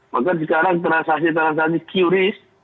maka sekarang transaksi transaksi qris